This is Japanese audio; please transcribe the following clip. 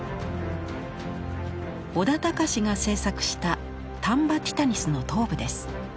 小田隆が制作したタンバティタニスの頭部です。